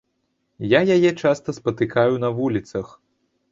Я яе часта спатыкаю на вуліцах.